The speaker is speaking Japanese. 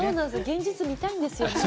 現実を見たいんですよね。